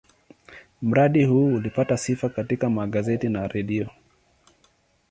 Mradi huu ulipata sifa katika magazeti na redio.